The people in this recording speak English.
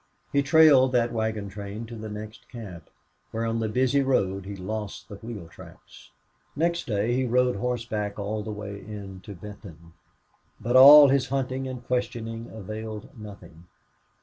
He trailed that wagon train to the next camp, where on the busy road he lost the wheel tracks. Next day he rode horseback all the way in to Benton. But all his hunting and questioning availed nothing.